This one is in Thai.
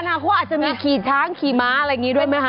นาคตอาจจะมีขี่ช้างขี่ม้าอะไรอย่างนี้ด้วยไหมคะ